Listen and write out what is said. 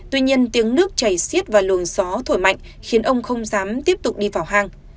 tuy nhiên tiếng nước chảy xiết và luồng gió thổi mạnh khiến ông không dám tiếp tục đi vào hang